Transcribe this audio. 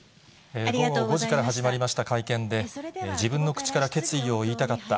午後５時から始まりました会見で、自分の口から決意を言いたかった。